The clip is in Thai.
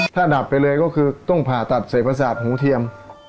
ถ้าดับไปเลยก็คือต้องผ่าตัดเศษประสาทหูเทียม